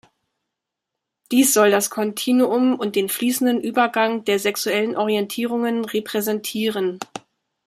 Dies soll das Kontinuum und den fließenden Übergang der sexuellen Orientierungen repräsentieren.